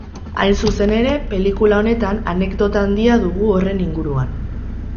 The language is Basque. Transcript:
Hain zuzen ere, pelikula honetan anekdota handia dugu horren inguruan.